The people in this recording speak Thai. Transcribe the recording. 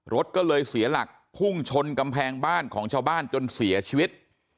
รถก็เลยเสียหลักพุ่งชนกำแพงบ้านของชาวบ้านจนเสียชีวิต